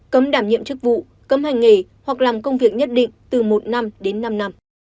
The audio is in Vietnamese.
cấm đảm nhiệm chức vụ cấm hành nghề hoặc làm công việc nhất định từ một năm đến năm năm